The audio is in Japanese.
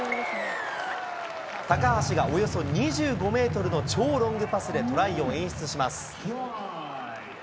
高橋がおよそ２５メートルの超ロングパスでトライを演出します。